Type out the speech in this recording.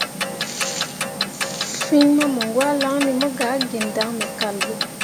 Fîi mamǝŋgwãalaŋne mo gah gi dan me kal ɓe.